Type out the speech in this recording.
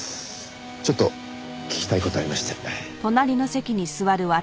ちょっと聞きたい事ありまして。